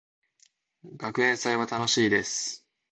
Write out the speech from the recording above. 学園祭は楽しいです。